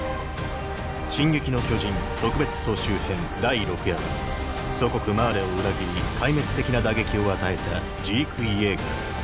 「進撃の巨人特別総集編」第６夜は祖国マーレを裏切り壊滅的な打撃を与えたジーク・イェーガー。